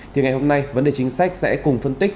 thì ngày hôm nay vấn đề chính sách sẽ cùng phân tích